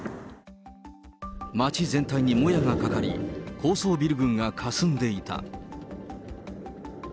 街全体にもやがかかり、高層ビル群がかすんでいた。